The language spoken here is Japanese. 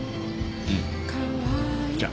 うんじゃ。